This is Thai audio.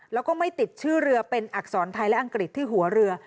แล้วก็ไม่ติดชื่อเรือเป็นอักษรไทยและอังกฤษที่หัวเรือ